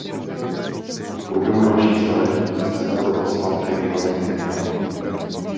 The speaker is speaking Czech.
V průběhu dalších staletí se podoba stavby výrazně měnila.